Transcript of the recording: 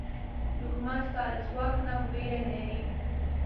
دښمن ستا له ځواک نه وېره لري